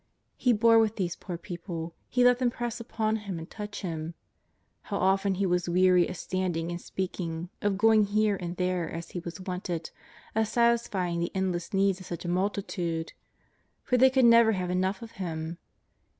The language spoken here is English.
He bore with these poor people. He let them press upon Him and touch Him. How often He was weary of standing and speaking, of going here and there as He was wanted, of satisfying the endless needs of such a multitude! For they could never have enough of Him.